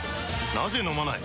なぜ飲まない？